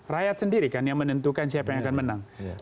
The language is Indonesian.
rakyat sendiri kan yang menentukan siapa yang akan menang